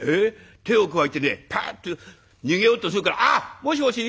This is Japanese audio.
「鯛をくわえてねパッと逃げようとするから『あっもしもし』」。